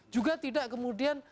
juga tidak kemudian